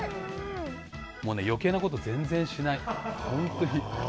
もう、余計なこと全然しない。